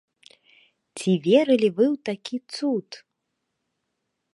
Ці верылі вы ў такі цуд?